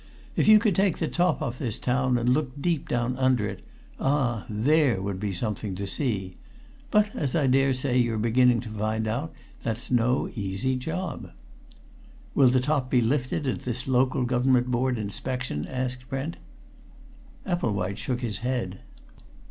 If you could take the top off this town, and look deep down under it ah! there would be something to see. But, as I dare say you're beginning to find out, that's no easy job." "Will the top be lifted at this Local Government Board inspection?" asked Brent. Epplewhite shook his head.